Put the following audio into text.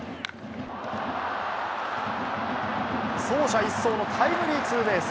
走者一掃のタイムリーツーベース。